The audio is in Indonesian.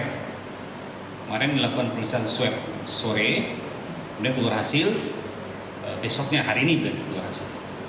kemarin dilakukan perlisahan swab sore kemudian keluar hasil besoknya hari ini